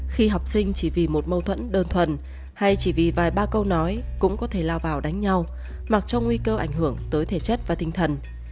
khi học sinh chỉ vì một mâu thuẫn đơn thuần hay chỉ vì vài ba câu nói cũng có thể lao vào đánh nhau mặc cho nguy cơ ảnh hưởng tới thể chất và tinh thần